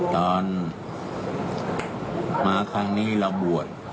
ตอนมาข้างนี้แล้วบวช